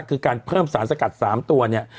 คือการเพิ่มสารสกัด๓ตัวเนี่ย